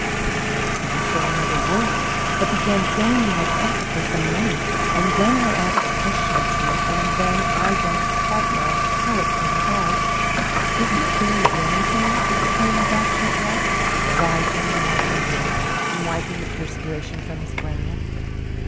I couldn't say another word, but began feeling in my pocket for some money, and then I asked a question or two, and then I don't quite know how it came about isn't it very warm here?" exclaimed Bachelor Bluff, rising and walking about, and wiping the perspiration from his brow.